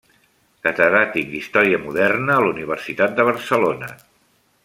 Catedràtic d'Història Moderna a la Universitat de Barcelona.